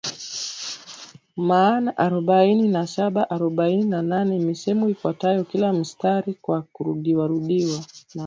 maana arobaini na saba arobaini na nane misemo ifuatayo kila mstari kwa kurudiwarudiwa na